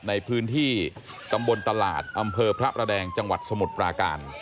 ในพื้นที่ตำบลตลาดอำเภอพระประแดงจังหวัดสมุทรปราการ